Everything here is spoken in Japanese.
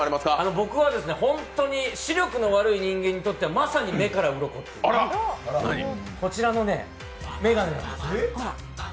僕はホントに視力の悪い人間にとっては、まさに目からうろこっていう、こちらのメガネ。